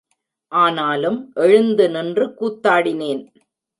ஆனாலும் எழுந்து நின்று கூத்தாடினேன்.